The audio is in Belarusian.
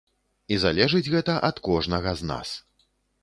І залежыць гэта ад кожнага з нас.